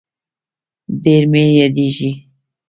ډير مي ياديږي